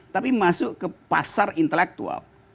tapi masuk ke pasar intelektual